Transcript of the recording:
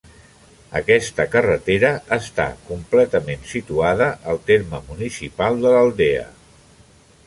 Aquesta carretera està completament situada al terme municipal de l'Aldea.